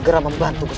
tidak ada takbir